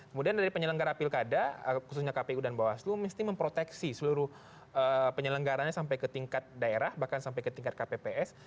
kemudian dari penyelenggara pilkada khususnya kpu dan bawaslu mesti memproteksi seluruh penyelenggaranya sampai ke tingkat daerah bahkan sampai ke tingkat kpps